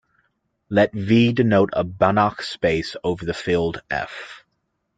Let "V" denote a Banach space over the field "F".